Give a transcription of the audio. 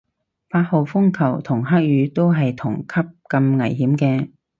八號風球同黑雨都係同級咁危險嘅